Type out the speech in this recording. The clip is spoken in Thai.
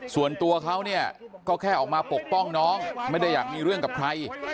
ส่วนตัวเขาเนี่ยก็แค่ออกมาปกป้องน้องไม่ได้อยากมีเรื่องกับใคร